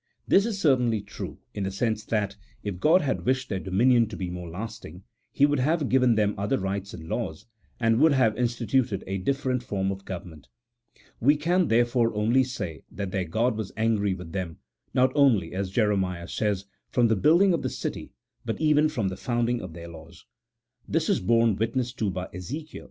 This is certainly true, in the sense that, if God had wished their dominion to be more lasting, He would have given them other rites and laws, and would have insti tuted a different form of government. We can, there fore, only say that their God was angry with them, not only, as Jeremiah says, from the building of the city, but even from the founding of their laws. This is borne witness to by Ezekiel xx.